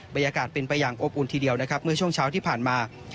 บรรยากาศเป็นอบอุ่นทีเดียวเมื่อช่วงเช้าที่ผ่านมา